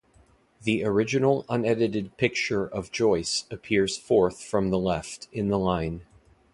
The original unedited picture of Joyce appears fourth from the left in the line.